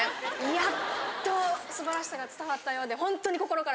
やっと素晴らしさが伝わったようで。